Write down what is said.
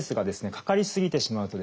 かかり過ぎてしまうとですね